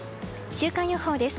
週間予報です。